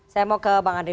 saya mau ke bang andre